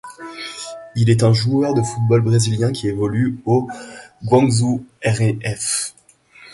Il est un joueur de football brésilien qui évolue au Guangzhou R&F.